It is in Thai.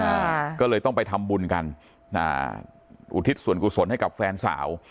อ่าก็เลยต้องไปทำบุญกันอ่าอุทิศส่วนกุศลให้กับแฟนสาว